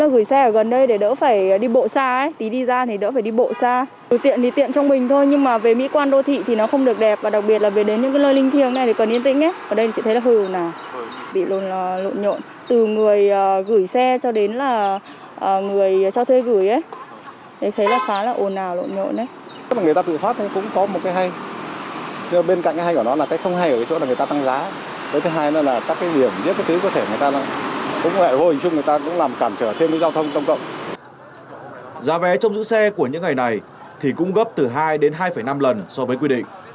giá vé trong giữ xe của những ngày này thì cũng gấp từ hai đến hai năm lần so với quy định